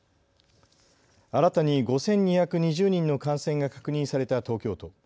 新たに５２２０人の感染が確認された東京都。